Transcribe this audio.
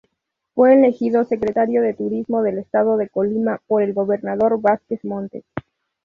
Fue elegido Secretario de Turismo del Estado de Colima por el gobernador Vázquez Montes.